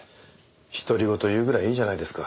独り言言うぐらいいいじゃないですか？